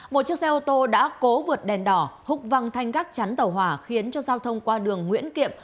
một chiếc xe ô tô đã cố vượt đèn đỏ húc văng thanh gác chắn tàu hỏa khiến cho giao thông qua đường nguyễn kiệm